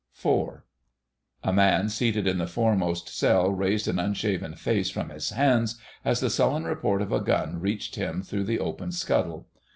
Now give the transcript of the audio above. *IV.* A man seated in the foremost cell raised an unshaven face from his hands as the sullen report of a gun reached him through the open scuttle.